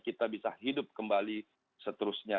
kita bisa hidup kembali seterusnya